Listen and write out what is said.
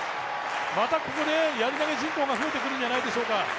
またここでやり投人口が増えてくるんじゃないでしょうか。